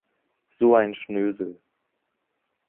So ein Schnösel.